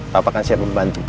papa kan siap membantu